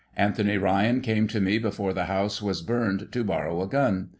Anthony Ryan came to me before the house was burned to borrow a gun.